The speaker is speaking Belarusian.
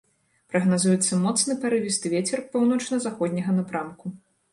Прагназуецца моцны парывісты вецер паўночна-заходняга напрамку.